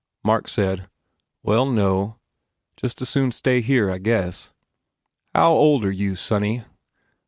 Mark said, "Well, no. Just as soon stay here, I guess." "How old are you, sonny?"